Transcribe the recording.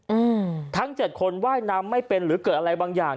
อืมทั้งเจ็ดคนว่ายน้ำไม่เป็นหรือเกิดอะไรบางอย่าง